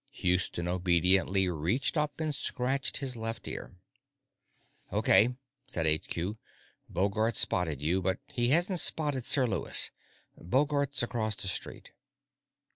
Houston obediently reached up and scratched his left ear. "Okay," said HQ. "Bogart's spotted you, but he hasn't spotted Sir Lewis. Bogart's across the street."